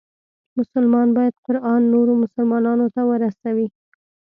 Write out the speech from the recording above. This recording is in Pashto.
مسلمان باید قرآن نورو مسلمانانو ته ورسوي.